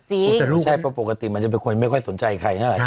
ใช่เพราะปกติมันจะเป็นคนไม่ค่อยสนใจใครนะ